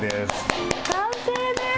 完成です。